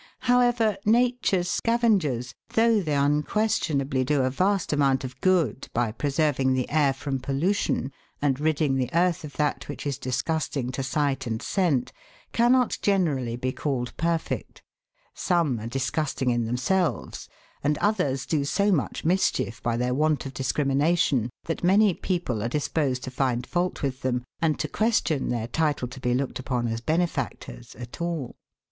However, Nature's scavengers, though they unquestion ably do a vast amount of good, by preserving the air from pollution and ridding the earth of that which is disgusting to sight and scent, cannot generally be called perfect. Some are disgusting in themselves, and others do so much mis chief by their want of discrimination that many people are disposed to find fault with them, and to question their title to be looked upon as benefactors at all.